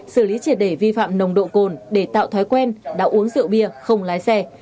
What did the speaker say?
xử lý triệt để vi phạm nồng độ cồn để tạo thói quen đã uống rượu bia không lái xe